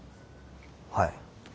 はい。